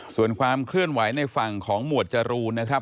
ส่วนความเคลื่อนไหวในฝั่งของหมวดจรูนนะครับ